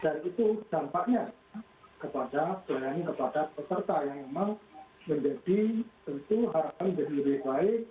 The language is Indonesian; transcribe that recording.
dan itu dampaknya kepada penyelenggaraan kepada peserta yang memang menjadi tentu harapan lebih baik